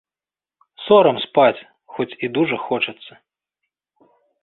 Сорам спаць, хоць і дужа хочацца.